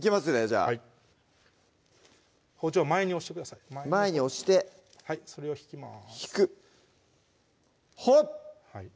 じゃあ包丁は前に押してください前に押してそれを引きます引くほっ！